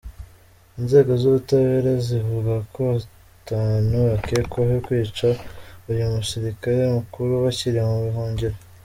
Inzego z’ubutabera zivuga ko batanu bakekwaho kwica uyu musirikare mukuru bakiri mu buhungiro.